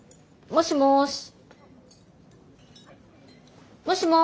もしもし。